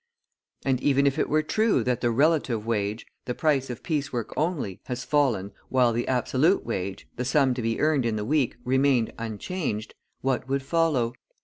And even if it were true that the relative wage, the price of piece work only, has fallen, while the absolute wage, the sum to be earned in the week, remained unchanged, what would follow?